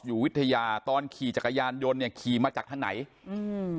อยู่วิทยาตอนขี่จักรยานยนต์เนี่ยขี่มาจากทางไหนอืม